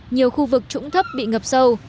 nhiều khu vực trũng thấp bị ngập sâu